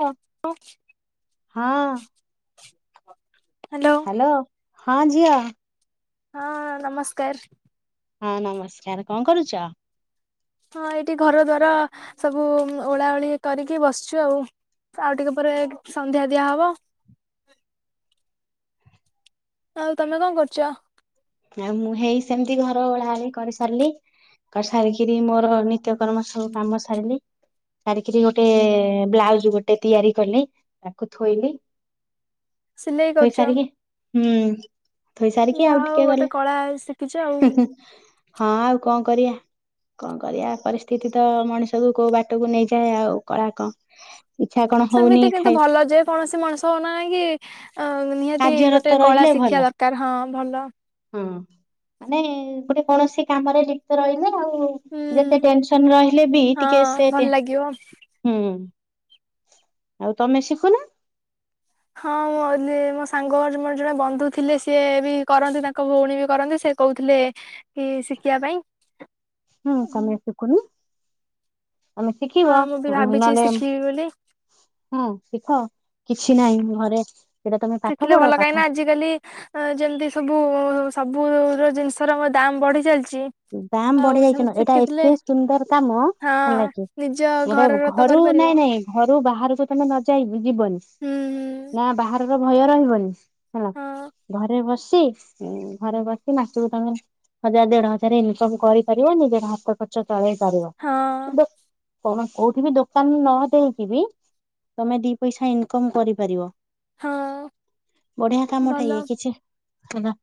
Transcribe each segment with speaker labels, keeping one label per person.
Speaker 1: ହଁ
Speaker 2: hello.
Speaker 1: Hello ହଁ ଝିଅ।
Speaker 2: ହଁ ନମସ୍କାର।
Speaker 1: ହଁ ନମସ୍କାର କଣ କରୁଛ?
Speaker 2: ହଁ ଏଠି ଘର ଦ୍ୱାର ସବୁ ଓଳା ଓଳି କରିକି ବସିଛୁ ଆଉ। ତ ଆଉ ଟିକେ ପରେ ସନ୍ଧ୍ୟା ଦିଆହବ। ଆଉ ତମେ କଣ କରୁଛ?
Speaker 1: ଆଉ ମୁଁ ହେଇ ସେମିତି ଘର ଓଳା ଓଳି କରିସାରିଲି। କରି ସାରିକିରି ମୋର ନିତ୍ୟକର୍ମ ସବୁ କାମ ସାରିଲି। ସାରିକିରି ଗୋଟେ ବ୍ଲାଉଜ ଗୋଟେ ତିଆରି କଲି ତାକୁ ଥୋଇଲି।
Speaker 2: ସିଲେଇ
Speaker 1: ଥୋଇ
Speaker 2: କରୁଛ
Speaker 1: ସାରିକି ହୁଁ ଥୋଇ ସାରିକି ଆଉ
Speaker 2: ଯାହା
Speaker 1: ଟି
Speaker 2: ହଉ
Speaker 1: କିଏ
Speaker 2: ଗୋଟେ
Speaker 1: ଗଲେ
Speaker 2: କଳା ଶିଖିଛ ଆଉ
Speaker 1: ହୁଁ ହୁଁ ହଁ ଆଉ କଣ କରିବା? କଣ କରିବା ପରିସ୍ଥିତି ତ ମଣିଷକୁୁ କୋଉ ବାଟକୁ ନେଇଯାଏ ଆଉ କଳା କଣ ଇଚ୍ଛା କଣ
Speaker 2: ସେମିତି
Speaker 1: ହଉନି
Speaker 2: କିନ୍ତୁ
Speaker 1: ଖାଇ
Speaker 2: ଭଲ ଯେ କୌଣସି ମଣିଷ ହଉନା ନା କାହିଁକି ଅ ନିହାତି
Speaker 1: କାର୍ଯ୍ୟରତ
Speaker 2: ଗୋଟେ କଳା ଶିଖିବା ଦରକାର ହଁ ଭଲ।
Speaker 1: ହୁଁ ମାନେ ଗୋଟେ କୌଣସି କାମରେ ଲିପ୍ତ ରହିଲେ ଆଉ
Speaker 2: ହୁଁ
Speaker 1: ଯେତେ ଟେନସନ ରହିଲେ ବି
Speaker 2: ହଁ
Speaker 1: ଟିକେ ସେ
Speaker 2: ଭଲ
Speaker 1: ଟେ
Speaker 2: ଲାଗିବ
Speaker 1: ହୁଁ ଆଉ ତମେ ଶିଖୁନ।
Speaker 2: ହଁ [unintelligible] ମୋ ସାଙ୍ଗ ମୋର ଜଣେ ବନ୍ଧୁ ଥିଲେ ସିଏ ବି କରନ୍ତି ତାଙ୍କ ଭଉଣୀ ବି କରନ୍ତି ସେ କଉଥିଲେ
Speaker 1: ହୁଁ
Speaker 2: ପାଇଁ
Speaker 1: କମାଇଁ ଶୁଖୁନି? ତମେ
Speaker 2: ହଁ
Speaker 1: ଶିଖିବ
Speaker 2: ମୁଁ ବି ଭାବିଛି
Speaker 1: ନହଲେ
Speaker 2: ଶିଖିବି ବୋଲି
Speaker 1: ହଁ ଶିଖ କିଛି ନାହିଁ ଘରେ ତମେ ପାଠ
Speaker 2: ସିଖିଲେ
Speaker 1: ପଢ
Speaker 2: ଭଲ କାହିଁକି
Speaker 1: ପାଠ
Speaker 2: ନା ଆଜିକାଲି ଯେମିତି ସବୁ ସବୁ ର ଜିନିଷର ଦାମ୍ ବଢ଼ି ଚାଲିଚି।
Speaker 1: ଦାମ ବଢି ଯାଇଛି ନୁଏ ଏଇଟା ଏତେ ସୁନ୍ଦର କାମ
Speaker 2: ହଁ
Speaker 1: ହେଲା କି
Speaker 2: ନିଜ
Speaker 1: ଏଟା
Speaker 2: ଘରର ତ
Speaker 1: ଘରୁ
Speaker 2: କରିପାରିବ
Speaker 1: ନାଇଁ ନାଇଁ ଘରୁ ବାହାରକୁ ତମେ ନ ଯାଇକି ଯିବନି
Speaker 2: ହୁଁ ହୁଁ
Speaker 1: ନା ବାହା [unintelligible] ଭୟ ରହିବନି ହେଲା
Speaker 2: ହଁ
Speaker 1: ଘରେ ବସି ଉଁ ଘରେ ବସି ମାସୁକୁ ତମେ ହଜାର ଦେଢ ହଜାର ଇନକମ କରିପାରିବ ନିଜର ହାତ ଖର୍ଚ ଚଳେଇ ପାରିବ
Speaker 2: ହଁ
Speaker 1: ଦେ କଣ କୋଉଠି ବି ଦୋକାନ ନ ଦେଇକି ବି ତମେ ଦି ପଇସା ଇନକମ୍ କରିପାରିବ
Speaker 2: ହଁ।
Speaker 1: ବଢିଆ କାମଟା
Speaker 2: ଭଲ
Speaker 1: ଇଏ କିଛି ହେନା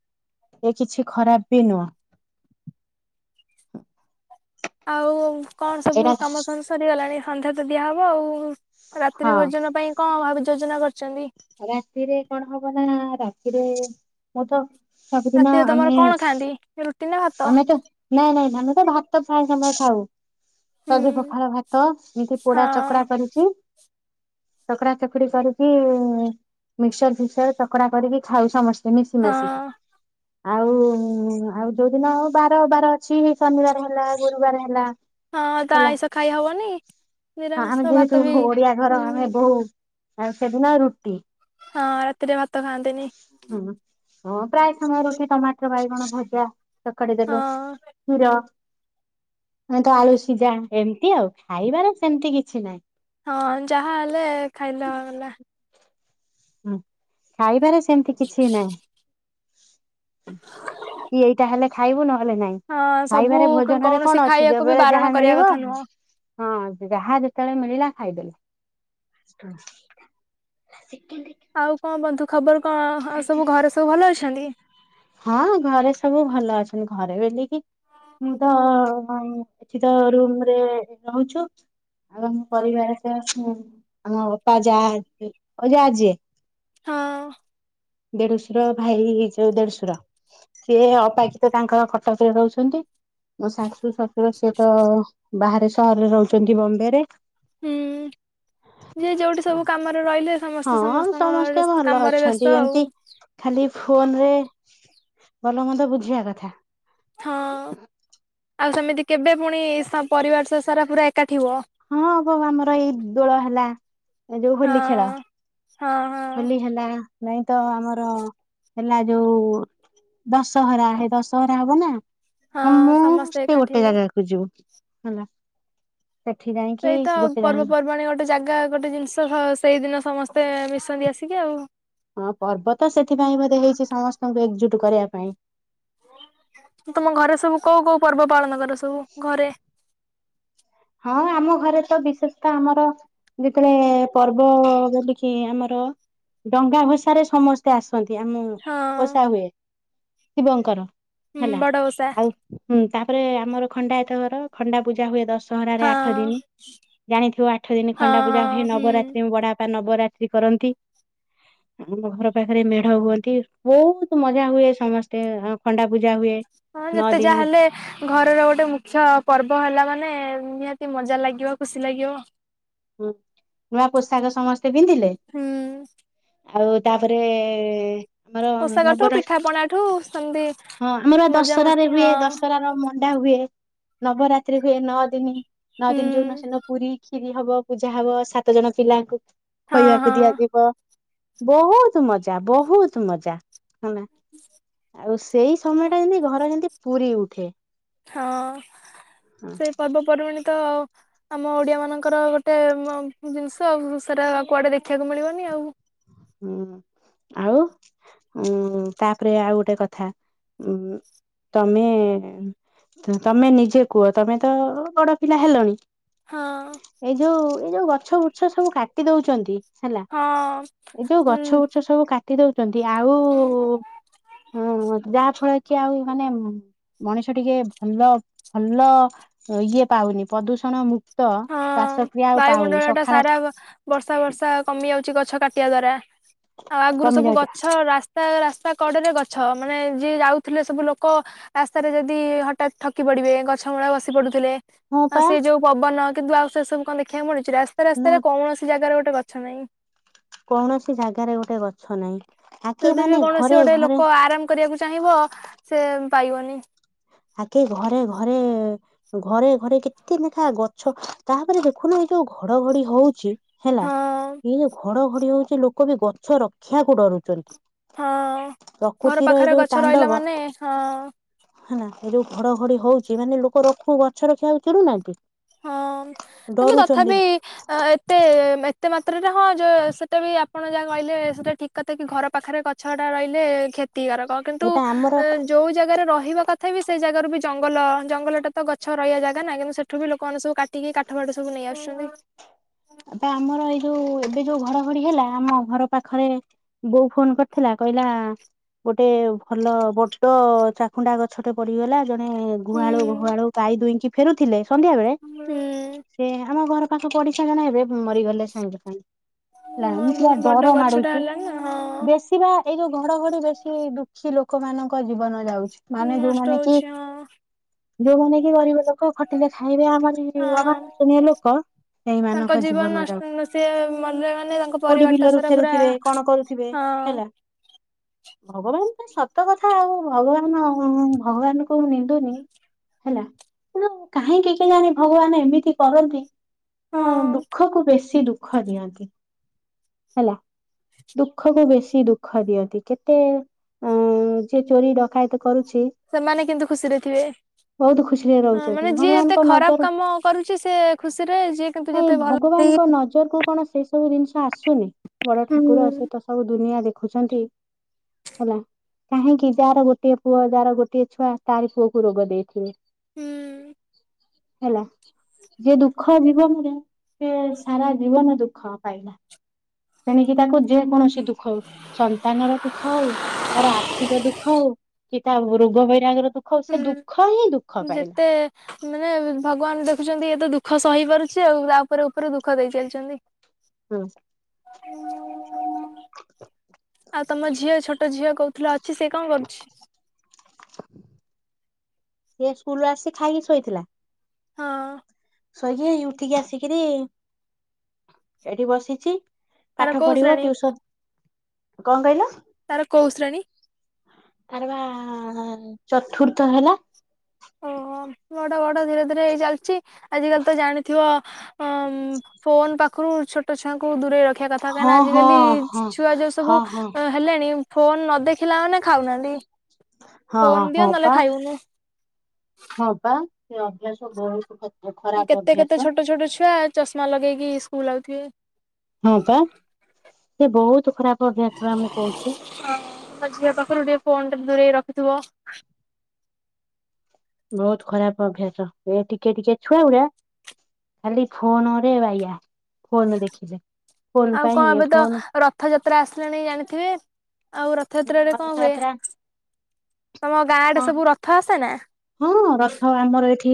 Speaker 1: ଏ କିଛି ଖରାପ ବି ନୁହଁ।
Speaker 2: ଆଉ କଣ ସବୁ
Speaker 1: ଏଇଟା
Speaker 2: କାମ ଫାମ ସରିଗଲାଣି ସନ୍ଧ୍ୟା ତ ଦିଆହବ ଆଉ। ରାତ୍ରି
Speaker 1: ହଁ
Speaker 2: ଭୋଜନ ପାଇଁ କଣ ଭାବି ଯୋଜନା କରିଚନ୍ତି?
Speaker 1: ରାତିରେ କଣ ହବ ନା ରାତିରେ ମୁଁ ତ ସବୁଦିନ
Speaker 2: ରାତିରେ ତମର
Speaker 1: ଆମେ
Speaker 2: କଣ ଖାଆନ୍ତି ରୁଟି ନା ଭାତ?
Speaker 1: ଆମେ ତ ନାଇଁ ନାଇଁ ଆମେ ତ ଭାତ ଖାଉ ଏ ସମୟ ଥାଉ। ସଜ
Speaker 2: ହୁଁ
Speaker 1: ପଖାଳ ଭାତ ଏମିତି ପୋଡା
Speaker 2: ହଁ
Speaker 1: ଚକଡା କରିକି। ଚକଡ଼ା ଚକୁଡି କରିକି। ମିକ୍ସର ଫିକ୍ସର ଚକଡା କରିକି ଖାଉ ସମସ୍ତେ ମିଶି
Speaker 2: ହଁ
Speaker 1: ମିଶିକି। ଆଉ ଆଉ ଯୋଉଦିନ ଆଉ ବାର ବାର ଅଛି ଶନିବାର ହେଲା ଗୁରୁବାର ହେଲା
Speaker 2: ହଁ ତ
Speaker 1: ହେଲା
Speaker 2: ଆଇଁଷ ଖାଇ ହବନି
Speaker 1: ଆମେ
Speaker 2: ନିରାମିଷ ଭାତ
Speaker 1: ଯେହେତୁ
Speaker 2: ବି
Speaker 1: ଓଡିଆ ଘର
Speaker 2: ହୁଁ
Speaker 1: ଆମେ ବହୁ। ଆଉ ସେଦିନ ରୁଟି।
Speaker 2: ହଁ ରାତିରେ ଭାତ ଖାଆନ୍ତିନି।
Speaker 1: ହୁଁ। ହଁ ପ୍ରାୟ ସମୟ ରୁଟି ଟମାଟର ବାଇଗଣ ଭଜା ଚକଡ଼ି
Speaker 2: ହଁ
Speaker 1: ଦେଲୁ କ୍ଷୀର। ମୁଁ ତ ଆଳୁ ସିଜା ଏମିତି ଆଉ ଖାଇବାରେ ସେମିତି କିଛି ନାଇଁ।
Speaker 2: ହଁ ଯାହା ହେଲେ ଖାଇଲ ଗଲା।
Speaker 1: ହୁଁ ଖାଇବାରେ ସେମିତି କିଛି ନାହିଁ। କି ଏଇଟା ହେଲେ ଖାଇବୁ ନହେଲେ ନାଇଁ।
Speaker 2: ହଁ ସବୁ
Speaker 1: ଖାଇବାରେ ଭୋଜନରେ
Speaker 2: କୌଣସି
Speaker 1: କଣ ଅଛି
Speaker 2: ଖାଇବାକୁ ବି
Speaker 1: ଯେବେ
Speaker 2: ବାରଣ
Speaker 1: ଯାହା
Speaker 2: କରିବା
Speaker 1: ମିଳିବ।
Speaker 2: କଥା ନୁହଁ।
Speaker 1: ହଁ ଯାହା ଯେତଳେ ମିଳିଲା ଖାଇଦେଲେ। କେତି
Speaker 2: ଆଉ କଣ ବନ୍ଧୁ ଖବର କଁ ଆଉ ସବୁ ଘରେ ସବୁ ଭଲ ଅଛନ୍ତି?
Speaker 1: ହଁ ଘରେ ସବୁ ଭଲ ଅଛନ୍ତି ଘରେ ବୋଲିକି ମୁଁ ତ ଏଠି ତ ରୁମରେ ରହୁଛୁ। [unintelligible] ପରିବାର [unintelligible] ଆମ ଆପା ଯା [unintelligible]
Speaker 2: ହଁ।
Speaker 1: ଦେଢଶୁର ଭାଇ ଏଇ ଜଉ ଦେଡଶୁର। ସେ ଅପାକ୍ଷିତ ତାଙ୍କର କଟକରେ ରହୁଛନ୍ତି। ମୋ ଶାଶୁ ଶଶୁର ସିଏ ତ ବାହାରେ ସହରରେ ରହୁଛନ୍ତି ବମ୍ବେ ରେ।
Speaker 2: ହୁଁ ଯିଏ ଯୋଉଠି ସବୁ କାମରେ ରହିଲେ
Speaker 1: ହଁ
Speaker 2: ସମସ୍ତେ ସମସ୍ତଙ୍କର
Speaker 1: ସମସ୍ତେ ଭଲ
Speaker 2: କାମରେ ବ୍ୟସ୍ତ
Speaker 1: ଅଛନ୍ତି।
Speaker 2: ଆଉ।
Speaker 1: ଏମତି ଖାଲି ଫୋନ ରେ ଭଲ ମନ୍ଦ ବୁଝିବା କଥା।
Speaker 2: ହଁ ଆଉ ସେମିତି କେବେ ପୁଣି ସହ ପରିବାର ସାରା ପୁରା ଏକାଠି ହୁଅ?
Speaker 1: ହଁ ବଉ ଆମର ଏଇ ଦୋଳ ହେଲା। ଏ ଯୋଉ
Speaker 2: ହଁ
Speaker 1: ହୋଲି ଖେଳ।
Speaker 2: ହଁ ହଁ
Speaker 1: ହୋଲି ହେଲା ନାଇଁ ତ ଆମର ହେଲା ଯୋଉ ଦଶହରା ହେଇ ଦଶହରା ହବ ନା
Speaker 2: ହଁ
Speaker 1: ମୁଁ
Speaker 2: ସମସ୍ତେ
Speaker 1: ସେ
Speaker 2: ଏକାଠି
Speaker 1: ଗୋଟେ
Speaker 2: ହେବେ।
Speaker 1: ଜାଗାକୁ ଯିବୁ ହେଲା। ସେଠି ଯାଇଁ
Speaker 2: ସେଇ ତ ଆଉ ପର୍ବପର୍ବାଣି ଗୋଟେ ଜାଗା, ଗୋଟେ ଜିନିଷ ସେଇଦିନ ସମସ୍ତେ ମିଶନ୍ତି ଆସିକି ଆଉ।
Speaker 1: ହଁ ପର୍ବ ତ ସେଥିପାଇଁ ବୋଧେ ହେଇଛି ସମସ୍ତଙ୍କୁ ଏକଜୁଟ କରିବା ପାଇଁ।
Speaker 2: ତମ ଘରେ ସବୁ କୋଉ କୋଉ ପର୍ବ ପାଳନ କର ସବୁ ଘରେ?
Speaker 1: ହଁ ଆମ ଘରେ ତ ବିଶେଷ ତ ଆମର ଯେତେବେଳେ ପର୍ବ ବୋଲିକି ଆମର, ଡଙ୍ଗା ଭଷାରେ ସମସ୍ତ ସେ ଆସନ୍ତି, ଆମ
Speaker 2: ହଁ।
Speaker 1: ପଷା ହୁଏ ଶିବଙ୍କର
Speaker 2: ହୁଁ
Speaker 1: ହେଲା,
Speaker 2: ବଡ ଓଷା
Speaker 1: ଆଉ ହୁଁ ତାପରେ ଆମର ଖଣ୍ଡାୟତ ଘର। ଖଣ୍ଡା ପୂଜା ହୁଏ ଦଶ ଦଶହରାରେ ଆଠ
Speaker 2: ହଁ
Speaker 1: ଦିନ, ଜାଣିଥିବ ଆଠ ଦିନ
Speaker 2: ହଁ
Speaker 1: ଖଣ୍ଡା ପୂଜା ହୁଏ।
Speaker 2: ହଁ ହୁଁ
Speaker 1: ନବରାତ୍ରି ବଡ ବାପା ନବରାତି ସେ କରନ୍ତି। ଆମ ଘର ପାଖରେ ମେଢ ହୁଅନ୍ତି। ବହୁତ ମଜା ହୁଏ। ସମସ୍ତେ ଖଣ୍ଡା ପୂଜା ହୁଏ।
Speaker 2: ହଁ
Speaker 1: ନଅ
Speaker 2: ଯେତେ ଯାହା
Speaker 1: ଦିନ
Speaker 2: ହେଲେ ଘରର ଗୋଟେ ମୁଖ୍ୟ ପର୍ବ ହେଲା ମାନେ, ନିହାତି ମଜା ଲାଗିବ। ଖୁସି ଲାଗିବ।
Speaker 1: ହୁଁ ନୂଆ ପୋଷାକ ସମସ୍ତେ ପିନ୍ଧିଲେ?
Speaker 2: ହୁଁ
Speaker 1: ଆଉ ତାପରେ ଆମର ନବରା
Speaker 2: ଠୁ ସନ୍ଦୀପ
Speaker 1: ହଁ ଆମର ଦଶହରାରେ ହୁଏ ଦଶହରାରେ ମଣ୍ଡା ହୁଏ। ନବରାତ୍ରି ହୁଏ ନଅ ଦିନି ନଅ
Speaker 2: ହୁଁ
Speaker 1: ଦିନ, ଯୋଉ ଦିନ ସିନ ପୁରୀ, କ୍ଷୀରି ହବ, ପୂଜା ହବ ସାତ ଜଣ ପିଲା ଆସି
Speaker 2: ହଁ ହଁ
Speaker 1: ଖୋଇବାକୁ ଦିଆଯିବ। ବହୁତ ମଜା, ବହୁତ ମଜା ହେଲା ଆଉ ସେ ସମୟ ଟା ଯେମତି ଘର ଯେମତି ପୁରୀ ଉଠେ। ହଁ।
Speaker 2: ପର୍ବପର୍ବାଣି ତ ଆମ ଓଡିଆ ମାନଙ୍କର ଗୋଟେ ଜିନିଷ, ଆଉ ସେଟା କୁଆଡେ ଦେଖିବାକୁ ମିଳିବନି ଆଉ।
Speaker 1: ହୁଁ ଆଉ। ହୁଁ ତାପରେ ଆଉ ଗୋଟେ କଥା ଉଁ ତମେ ତମେ ନିଜେ କୁହ? ତମେ ତ ବଡ ପିଲା ହେଲଣି-
Speaker 2: ହଁ
Speaker 1: ଏ ଯୋଉ ଏଇ ଯୋଉ ଗଛ ବୁଛ ସବୁ କାଟି ଦଉଛନ୍ତି, ହେଲା
Speaker 2: ହଁ।
Speaker 1: ଏଇ ଯୋଉ ଗଛ
Speaker 2: ହୁଁ।
Speaker 1: ବୁଛ ସବୁ କାଟି ଦଉଛନ୍ତି ଆଉ ହଁ ଯାହା ଫଳରେ କି ଆଉ ମାନେ ମଣିଷ ଟିକେ ଭଲ ଭଲ ଇଏ ପାଉନି ପ୍ରଦୂଷଣ ମୁକ୍
Speaker 2: ହଁ ବାୟୁମଣ୍ଡଳ ଟା ସାରା ବର୍ଷା ଭର୍ଷା କମି ଯାଉଛି ଗଛ କାଟିବା ଦ୍ଵାରା। ଆଉ ଆଗରୁ
Speaker 1: କମି
Speaker 2: ସବୁ
Speaker 1: ଯାଉଛି
Speaker 2: ଗଛ ରା ତା ରାସ୍ତା କଡରେ ଗଛ, ମାନେ ଯିଏ ଯାଉଥିଲେ ସବୁ ଲୋକ ରାସ୍ତାରେ ଯଦି ହଠାତ୍ ଥକି ପଡିବେ, ଗଛ ମୂଳେ ବସି ପଡୁଥିଲେ
Speaker 1: ହଁ
Speaker 2: ଆଉ
Speaker 1: ପା
Speaker 2: ସେ ଯୋଉ ପବନ କିନ୍ତୁ ଆଉ ସେ ସବୁ କଣ ଦେଖିବାକୁ ମିଳୁଛି ରାସ୍ ସେ
Speaker 1: ନା
Speaker 2: ରାସ୍ତାରେ କୌଣସି ଜାଗାର ଗୋଟେ ଗଛ ନାହିଁ।
Speaker 1: କୌଣସି ଜାଗାରେ ଗୋଟେ ଗଛ ନାହିଁ। ଆଗେ
Speaker 2: ସେଠି ଯୋଉ
Speaker 1: ମାନେ
Speaker 2: ବି କୌଣସି
Speaker 1: ଘରେ
Speaker 2: ଗୋଟେ
Speaker 1: ଘରେ
Speaker 2: ଲୋକ ଆରାମ କରିବାକୁ ଚାହିଁବ ସେ ପାଇବନି।
Speaker 1: ଆଗେ ଘରେ ଘରେ ଘରେ ଘରେ କେତେ ଲେଖା ଗଛ। ତାପରେ ଦେଖୁନ ଏଇ ଯୋଉ ଘଡଘଡି ହଉଛି ହେଲା।
Speaker 2: ହଁ
Speaker 1: ଏଇ ଯୋଉ ଘଡଘଡି ହଉଛି ଲୋକ ବି ଗଛ ରକ୍ଷାକୁ ଡରୁଛନ୍ତି।
Speaker 2: ହଁ। ଘର
Speaker 1: ପ୍ରକୃତିର ଏଇ
Speaker 2: ପାଖରେ
Speaker 1: ଯୋଉ
Speaker 2: ଗଛ
Speaker 1: ତାଣ୍ଡବ
Speaker 2: ରହିଲା ମାନେ ହଁ।
Speaker 1: ହେଲା ଏ ଯୋଉ ଘଡଘଡି ହଉଛି, ମାନେ ଲୋକ ରଖୁ ଗଛ ରଖିବାକୁ ଖ୍ୟାଲ କରୁନାହାନ୍ତି।
Speaker 2: ହଁ, କିନ୍ତୁ ତଥାପି ଅଁ ଏତେ ଏତେ ଏତେ ମାତ୍ରାରେ ହଁ ଯୋଉ ସେଟା ବି ଆପଣ ଯାହା କହିଲେ ସେଟା ଠିକ କଥା କି ଘର ପାଖରେ କଥା ଗଛ ଟା ରହିଲେ କ୍ଷତିକାରକ। କିନ୍ତୁ
Speaker 1: ଏବେ ଆମର
Speaker 2: ଯୋଉ ଜାଗାରେ ରହିବା କଥା ତଥାପି ସେଇ ଜାଗାରୁ ବି ଜଙ୍ଗଲ। ଜଙ୍ଗଲଟା ତ ଗଛ ରହିବା ଜାଗା ନା କିନ୍ତୁ, ସେଠୁ ବି ଲୋକ କଣ ସବୁ କାଟିକି କାଠ ଫଠ ସବୁ ନେଇ ଆସୁଛନ୍ତି।
Speaker 1: ବା ଆମର ଏଇ ଯୋଉ ଏବେ ଯୋଉ ଘଡଘଡି ହେଲା, ଆମ ଘର ପାଖରେ, ବୋଉ ଫୋନ କରିଥିଲା କହିଲା। ଗୋଟେ ଭଲ ବଡ ଚାଖୁଣ୍ଡା ଗଛ ଛୋଟ ପଡିଗଲା, ଜଣେ ଗୁହାଳୁ
Speaker 2: ହୁଁ
Speaker 1: ଗୁହାଳୁ ଗାଇଈ ଦୁଇଁକି ଫେରୁଥିଲେ ସନ୍ଧ୍ୟା ବେଳେ,
Speaker 2: ହୁଁ
Speaker 1: ସେ ଆମ ଘର ପାଖ ପଡିଛି [unintelligible] ଏବେ ମରିଗଲେ ସାଙ୍ଗ ସା ହେଲା
Speaker 2: ହଁ
Speaker 1: ଏମିତିଆ
Speaker 2: ବଡ
Speaker 1: ଡର
Speaker 2: ଗଛଟା
Speaker 1: ମାଡୁଛି।
Speaker 2: ହେଲାଣି ନା ହଁ।
Speaker 1: ବେଶ ଥିବା ଏଇ ଯୋଉ ଘଡଘଡି ବେଶୀ ଦୁଃଖୀ ଲୋକମାନାନଙ୍କ ଜୀବନ ଯାଉଛି। ମାନେ
Speaker 2: ନଷ୍ଟ
Speaker 1: ଯୋଉମାନେ କି
Speaker 2: ହଉଛି ହଁ
Speaker 1: ଯୋଉମାନେ କି ଗରିବ ଲୋକ, ଖଟିଲେ ଖାଇବେ ଆମରି ଅଣା
Speaker 2: ହଁ
Speaker 1: ବର୍ଷୀୟା ଲୋକ। ସେଇ
Speaker 2: ତାଙ୍କ
Speaker 1: ମାନଙ୍କ ଜୀବନ
Speaker 2: ନଷ୍ଟ ସେ ମଲେ ମାନେ
Speaker 1: ଯାଉଛି।
Speaker 2: ତାଙ୍କ
Speaker 1: କୋଉଠ
Speaker 2: ପରିବାରଟା
Speaker 1: ବିଲରୁ
Speaker 2: ସାରା ପୁରା
Speaker 1: ଫେରୁଥିବେ କଣ କରୁଥିବେ
Speaker 2: ହଁ
Speaker 1: ହେଲା। ଭଗବାନ ତ ସତ କଥା ଆଉ ଭଗବାନ ଭଗବାନ ଙ୍କୁ ମୁଁ ନିନ୍ଦୁନି। ହେଲା କିନ୍ତୁ କାହିଁକି କେଜାଣି ଭଗବାନ ଏମିତି କରନ୍ତି। ହୁଁ
Speaker 2: ହଁ
Speaker 1: ଦୁଃଖ କୁ ବେଶୀ ଦୁଃଖ ଦିଅନ୍ତି ହେଲା। ଦୁଃଖ କୁ ବେଶୀ ଦୁଃଖ ଦିଅନ୍ତି। କେତେ ଉଁ ଯିଏ ଚୋରି ଡକାୟତ କରୁଛି।
Speaker 2: ସେମାନେ କିନ୍ତୁ ଖୁସିରେ ଥିବେ।
Speaker 1: ବହୁତ ଖୁସିରେ ରହୁଛନ୍ତି
Speaker 2: ମାନେ ଯିଏ ଯେତେ
Speaker 1: ଭଗବାନଙ୍କ
Speaker 2: ଖରାପ
Speaker 1: ନଜର
Speaker 2: କାମ କରୁଛି ସେ ଖୁସିରେ ଯିଏ କିନ୍ତୁ
Speaker 1: ନାଇଁ
Speaker 2: ଯେତେ ଭଲ
Speaker 1: ଭଗବାନଙ୍କ ନଜର କୁ କଣ ସେ ସବୁ ଜିନିଷ ଆସୁନି, ବଡ
Speaker 2: ହୁଁ
Speaker 1: ଠାକୁର ସେ ତ ସବୁ ଦୁନିଆ ଦେଖୁଛନ୍ତି। ହେଲା କାହିଁକି ଯାହାର ଗୋଟିଏ ପୁଅ, ଯା ର ଗୋଟିଏ ଛୁଆ ତାରି ପୁଅକୁ ରୋଗ ଦେଇଥିବେ।
Speaker 2: ହୁଁ [inaudible]
Speaker 1: ହେଲା ଯଏଁ ଦୁଃଖ! ଜୀବନରେ ସେ ସାରା ଜୀବନ ଦୁଃଖ ପାଇଲା। ମନେକି ତାକୁ ଯେକୌଣସି ଦୁଃଖ ହଉ, ସନ୍ତାନର ଦୁଃଖ ହଉ, ତାର ଆର୍ଥିକ ଦୁଃଖ ହଉ, କି ତା ରୋଗ ବୈରାଗର ଦୁଃଖ ହଉ ସେ ଦୁଃଖ ହିଁ ଦୁଃଖ
Speaker 2: ହୁଁ।
Speaker 1: ପାଇଲା
Speaker 2: ଯେତେ ମାନେ ଭଗବାନ ଦେଖୁଛନ୍ତି ଇଏ ତ ଦୁଃଖ ସହି ପାରୁଛି, ଆଉ ତା ଉପରେ ଉପରେ ଦୁଃଖ ଦେଇ ଚାଲିଛନ୍ତି।
Speaker 1: ହୁଁ।
Speaker 2: ହ [inaudible] ଆଉ ତମ ଝିଅ ଛୋଟ ଝିଅ କହୁଥିଲଅଛି। ସେ କଣ କରୁଛି?
Speaker 1: ସେଏ ସ୍କୁଲୁ ଆସି ଖାଇକି ଶୋଇଥିଲା।
Speaker 2: ହଁ।
Speaker 1: ଶୋଇକି, ଉଠିକି ଆସିକିରି ଏଠି ବସିଛି।
Speaker 2: ତାର
Speaker 1: ପାଠ
Speaker 2: କୋଉ
Speaker 1: ପଢିବ,
Speaker 2: ଶ୍ରେଣୀ
Speaker 1: ଟୁସନ କଣ କହିଲ?
Speaker 2: ତାର କୌଶ୍ରଣୀ?
Speaker 1: ଆର ବା ଚତୁର୍ଥ ହେଲା।
Speaker 2: ଓ ବଡ ବଡ ଧୀରେ ଧୀରେଇ ଚାଲିଛି ଆଜିକାଲି ତ ଜାଣିଥିବ ଅ ଫୋନ୍ ପାଖରୁ ଛୋଟ ଛୁଆଙ୍କୁ ଦୂରେଇ ରଖ ରଖିବାକଥା
Speaker 1: ହଁ
Speaker 2: କାହିଁକିନା
Speaker 1: ହଁ
Speaker 2: ଆଜଜିିକାଲି
Speaker 1: ହଁ
Speaker 2: ଛୁଆ ଯୋଉ
Speaker 1: ହଁ
Speaker 2: ସବୁ
Speaker 1: ହଁ
Speaker 2: ହେଲେଣି ଫୋନ ନ ଦେଖିଲା ମାନେ ଖାଉନାହାନ୍ତି।
Speaker 1: ହଁ
Speaker 2: ଫୋନ ଦିଅ
Speaker 1: ହଁ
Speaker 2: ନହେଲେ
Speaker 1: ବା
Speaker 2: ଖାଇବୁନୁ
Speaker 1: ହଁ ବା ସେ ଅଭ୍ୟାସ ବହୁ
Speaker 2: କେତେ କେତେ ଛୋଟ ଛୋଟ ଛୁଆ ଚଷମା ଲଗେଇକି ସ୍କୁଲ ଆଉଥିବେ।
Speaker 1: ହଁ ବା, ସେ ବହୁତ ଖରାପ ଅଭା ଥିବା ମୁଁ କହୁଛି।
Speaker 2: ହଁ ମୋ ଝିଅ ପାଖରୁ ଟିକେ ଫୋନ୍ ଟା ଦୂରେଇ ରଖିଥିବ।
Speaker 1: ବହୁତ ଖରାପ ଅଭ୍ୟାସ ଏ ଟିକେ ଟିକେ ଛୁଆ ଗୁରା। ଖାଲି ଫୋନରେ ବାଇଆ ଫୋନ ଦେଖିଲେ ଫୋନ
Speaker 2: ଆଉ
Speaker 1: ପାଇଁ
Speaker 2: କଣ
Speaker 1: ଇଏ
Speaker 2: ଏବେ ତ
Speaker 1: ଫୋନ
Speaker 2: ରଥଯାତ୍ରା ଆସିଲାଣି ଜାଣିଥିବେ? ଆଉ ରଥଯାତ୍ରାରେ
Speaker 1: ହଁ
Speaker 2: କଣ ହୁଏ
Speaker 1: ରଥଯାତ୍ରା
Speaker 2: ତମ ଗାଁ ଆଡେ
Speaker 1: ହଁ
Speaker 2: ସବୁ ରଥ ଆସେ ନା?
Speaker 1: ହଁ ରଥ ଆମର ଏଠି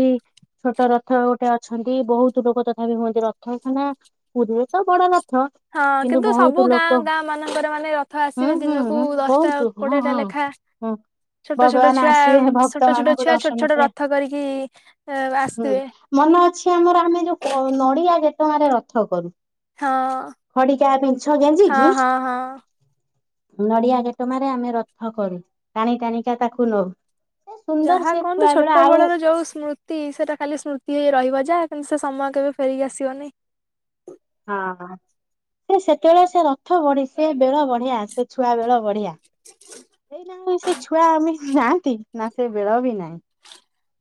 Speaker 1: ଛୋଟ ରଥ ଗୋଟେ ଅଛନ୍ତି ବହୁତ ଲୋକ ତଥାପି ହୁଅନ୍ତି ରଥ ପୁରୀରେ ତ ବଡ ରଥ।
Speaker 2: ହଁ କିନ୍ତୁ
Speaker 1: ବହୁତ
Speaker 2: ସବୁ ଗାଁ
Speaker 1: ଲୋକ
Speaker 2: ଗାଁ ମାନଙ୍କରେ ମାନେ ରଥ
Speaker 1: ହୁଁ
Speaker 2: ଆସିବେ
Speaker 1: ହୁଁ
Speaker 2: ଦିନକୁ ଦଶଟା
Speaker 1: ବହୁତ ହଁ
Speaker 2: କୋଡିଏ ଟା
Speaker 1: ହଁ।
Speaker 2: ଲେଖା।
Speaker 1: ହୁଁ
Speaker 2: ଛୋଟ ଛୋଟ
Speaker 1: ଭଗବାନ
Speaker 2: ଛୁଆ
Speaker 1: ଆସିବେ
Speaker 2: ଛୋଟ
Speaker 1: ଭକ୍ତ
Speaker 2: ଛୋଟ
Speaker 1: ମାନ
Speaker 2: ଛୁଆ ଛୋଟ
Speaker 1: ଦର୍ଶନ
Speaker 2: ଛୋଟ
Speaker 1: ହୁଏ
Speaker 2: ରଥ କରିକି ଏ
Speaker 1: ହୁଁ
Speaker 2: ଆସିଥିବେ
Speaker 1: ମନେ ଅଛି ଆମର ଆମେ ଯୋଉ କୋ ନଡ଼ିଆ ତମ ଗାଁ ରେ ରଥ କରୁ।
Speaker 2: ହଁ
Speaker 1: ଖଡିକା ପିଞ୍ଚ ଗେଞ୍ଜି କି
Speaker 2: ହଁ ହଁ ହଁ
Speaker 1: ନଡିଆ ଗେଟମାରେ ଆମେ ରଥ କରୁ ଟାଣି ଟାଣିକା ତାକୁ ନଉ ସେ ସୁନ୍ଦର ସେ
Speaker 2: କୁହନ୍ତି
Speaker 1: ଛୁଆ ବେଳ
Speaker 2: ଛୋଟ
Speaker 1: ଆଉ
Speaker 2: ବଳର ଯୋଉ ସ୍ମୃତି ସେଟା ଖାଲି ସ୍ମୃତି ହେଇ ରହିବ ଯାହା କିନ୍ତୁ ସେ ସମୟ କେବେ ଫେରି ଆସିବନି।
Speaker 1: ହଁ। ସେ ସେତେବେଳେ ସେ ରଥ ବଢି ସେ ବେଳ ବଢିଆ ସେ ଛୁଆ ବେଳ ବଢିଆ। ଆଇନା ଆଉ ସେ ଛୁଆ ଆମେ ନାହାନ୍ତି ନା ସେ ବେଳ ବି ନାହିଁ।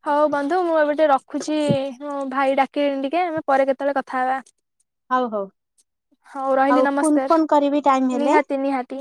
Speaker 2: ହଉ ବନ୍ଧୁ ମୁଁ ଏବେ ଟିକେ ରଖୁଛିଁ ମୋ ଭାଇ ଡାକିଲେଣି ଟିକେ ଆମେ ପରେ କେତେବେଳେ କଥା ହେବା।
Speaker 1: ହଉ ହଉ
Speaker 2: ହଉ ରହିଲି
Speaker 1: ଆଉ ଫୁନ୍
Speaker 2: ନମସ୍କାର
Speaker 1: ଫୋନ କରିବି ଟାଇମ ହେଲେ।
Speaker 2: ନିହାତି ନିହାତି